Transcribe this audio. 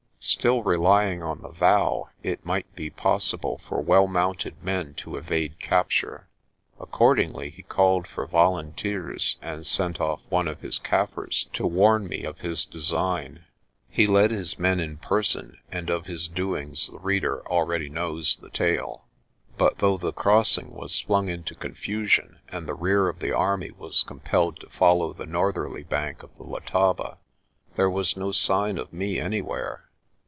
Still relying on the vow, it might be possible for well mounted men to evade capture. Accordingly ne called for volunteers and sent off A GREAT PERIL 257 one of his Kaffirs to warn me of his design. He led his men in person and of his doings the reader already knows the tale. But though the crossing was flung into confusion and the rear of the army was compelled to follow the northerly bank 'of the Letaba, there was no sign of me anywhere.